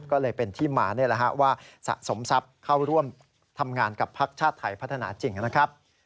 ก็เลยเป็นที่มาว่าสะสมทรัพย์เข้าร่วมทำงานกับพักชาติไทยพัฒนาจริงนะครับ